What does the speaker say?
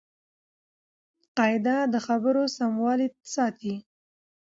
قاعده د خبرو سموالی ساتي.